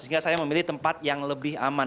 sehingga saya memilih tempat yang lebih aman